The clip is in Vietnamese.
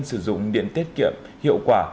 sử dụng điện tiết kiệm hiệu quả